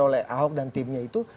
oleh ahok dan timnya itu